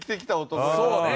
そうね！